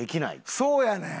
そうやねん！